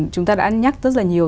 chúng ta đã nhắc rất là nhiều